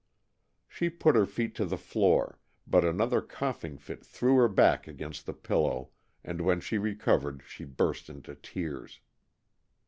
She put her feet to the floor, but another coughing fit threw her back against the pillow, and when she recovered she burst into tears.